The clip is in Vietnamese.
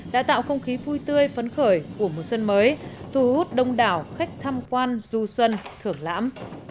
đã tạo không khí vui tươi phấn khởi của mùa xuân mới thu hút đông đảo khách tham quan du xuân thưởng lãm